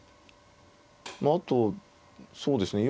あとそうですね